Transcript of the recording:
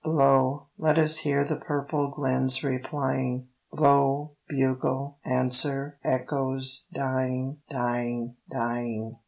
Blow, let us hear the purple glens replying: Blow, bugle; answer, echoes, dying, dying, dying.